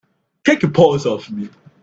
Take your paws off me!